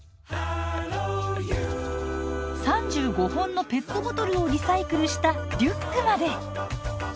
３５本のペットボトルをリサイクルしたリュックまで。